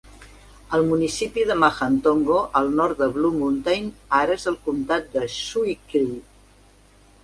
El municipi de Mahantongo, al nord de Blue Mountain, ara és el comtat de Schuylkill.